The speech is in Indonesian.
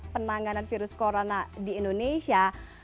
penanganan virus corona di indonesia